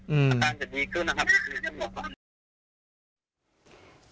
อืมอาการจะดีกว่านะครับ